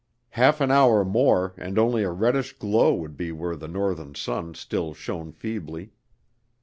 Half an hour more and only a reddish glow would be where the northern sun still shone feebly.